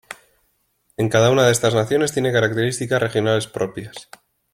En cada una de estas naciones tiene características regionales propias.